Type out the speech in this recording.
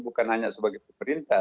bukan hanya sebagai pemerintah